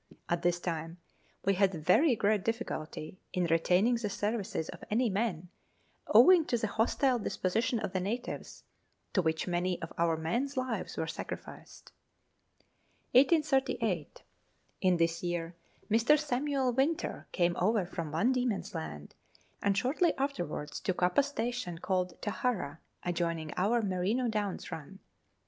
At this time we had very great difficulty in retaining the services of any men, owing to the hostile disposition of the natives, to which many of our men's lives were sacrificed. 1838. In this year, Mr. Samuel Winter came over from Van Diemen's Land, and shortly afterwards took up a station called Tahara, adjoining our Merino Downs run.